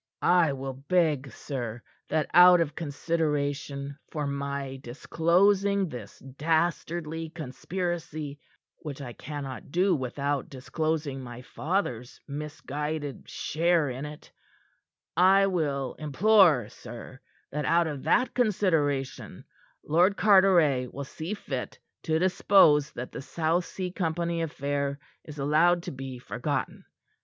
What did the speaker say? "I will beg, sir, that out of consideration for my disclosing this dastardly conspiracy which I cannot do without disclosing my father's misguided share in it I will implore, sir, that out of that consideration, Lord Carteret will see fit to dispose that the South Sea Company affair is allowed to be forgotten.